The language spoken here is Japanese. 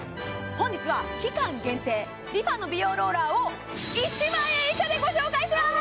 本日は期間限定ＲｅＦａの美容ローラーを１万円以下でご紹介します